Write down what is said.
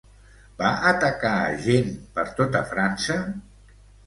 Va atacar a gent per tota França?